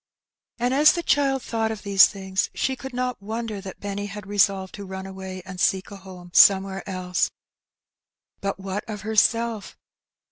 And as the child thought of these things she could not wonder that Benny had resolved to run away and seek a home somewhere else. But what of herself?